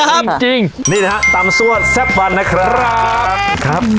จริงนี่นะฮะตำซั่วแซ่บวันนะครับครับ